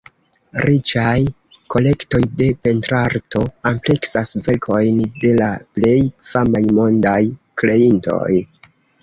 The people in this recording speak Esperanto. Riĉaj kolektoj de pentrarto ampleksas verkojn de la plej famaj mondaj kreintoj.